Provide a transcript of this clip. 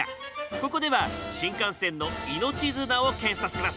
ここでは新幹線の命綱を検査します。